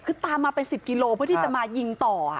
คือตามมาเป็น๑๐กิโลเพื่อที่จะมายิงต่อ